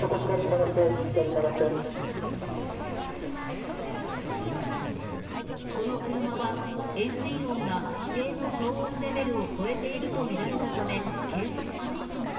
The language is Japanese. そこ、左に曲がって、左に曲この車は、エンジン音が規定の騒音レベルを超えていると見られたため、計測することに。